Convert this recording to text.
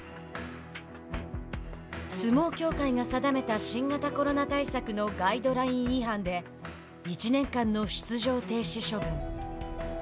相撲協会が定めた新型コロナ対策のガイドライン違反で１年間の出場停止処分。